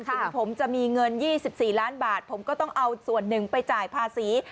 ถึงผมจะมีเงิน๒๔ล้านบาทผมก็ต้องเอาส่วนหนึ่งไปจ่ายภาษี